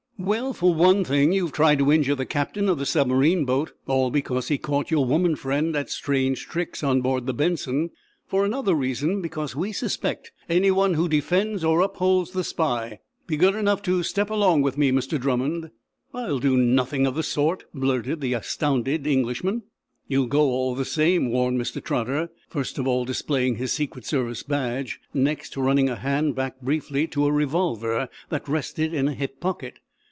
"Well, for one thing, you've tried to injure the captain of the submarine boat, all because he caught your woman friend at strange tricks on board the 'Benson.' For another reason, because we suspect anyone who defends or upholds the spy. Be good enough to step along with me, Mr. Drummond." "I'll do nothing of the sort," blurted the astounded Englishman "You'll go all the same," warned Mr. Trotter, first of all displaying his Secret Service badge, next running a hand back briefly to a revolver that rested in a hip pocket.